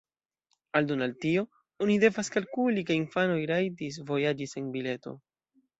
Aldone al tio, oni devas kalkuli ke infanoj rajtis vojaĝi sen bileto.